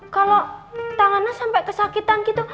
kalo tangannya sampe kesakitan gitu